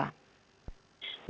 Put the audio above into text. bisa jadi seperti itu